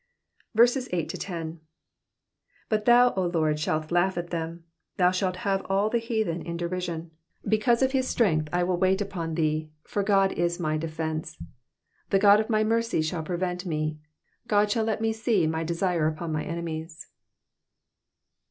8 But thou, O Lord, shalt laugh at them ; thou shalt have all the heathen in derision. 9 Because of his strength will I wait upon thee : for God is my defence. 10 The God of my mercy shall prevent me : God shall let me see my desire upon mine enemies.